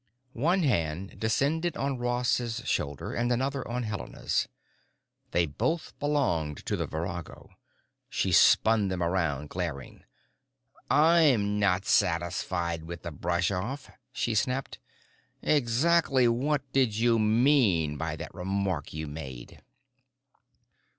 One hand descended on Ross's shoulder and another on Helena's. They both belonged to the virago. She spun them around, glaring. "I'm not satisfied with the brush off," she snapped. "Exactly what did you mean by that remark you made?"